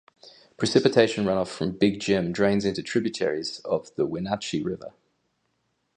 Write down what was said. Precipitation runoff from Big Jim drains into tributaries of the Wenatchee River.